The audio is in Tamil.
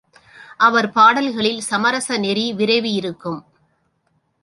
அவர் பாடல்களில் சமரசநெறி விரவியிருக்கும்.